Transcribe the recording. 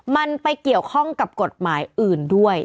มันไปเกี่ยวข้องกับกฎหมายอื่นด้วย